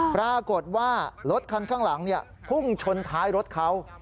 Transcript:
ปรากฏว่ารถคันข้างหลังพุ่งชนท้ายรถเขา